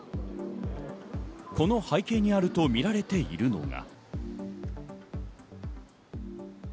この背景にあるとみられているのが。